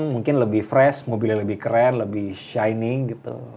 mungkin lebih fresh mobilnya lebih keren lebih shining gitu